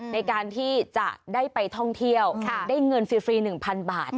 ในการที่จะได้ไปท่องเที่ยวได้เงินฟรี๑๐๐๐บาท